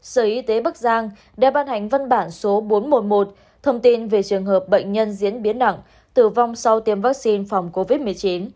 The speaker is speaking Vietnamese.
sở y tế bắc giang đã ban hành văn bản số bốn trăm một mươi một thông tin về trường hợp bệnh nhân diễn biến nặng tử vong sau tiêm vaccine phòng covid một mươi chín